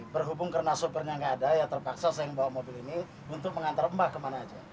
berhubung karena sopernya nggak ada ya terpaksa saya bawa mobil ini untuk mengantar mbak ke mana aja